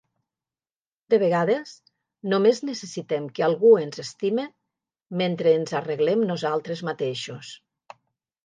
De vegades, només necessitem que algú ens estime, mentre ens arreglem nosaltres mateixos.